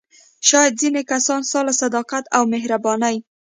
شاید ځینې کسان ستا له صداقت او مهربانۍ.